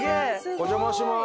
お邪魔します。